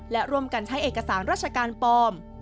และร่วมกันใช้เอกสารราชการปลอม